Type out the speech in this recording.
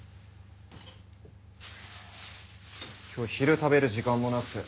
今日昼食べる時間もなくて。